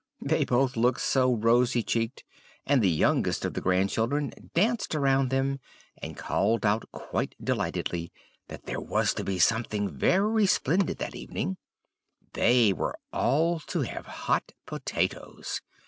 They both looked so rosy cheeked; and the youngest of the grandchildren danced around them, and called out quite delighted, that there was to be something very splendid that evening they were all to have hot potatoes.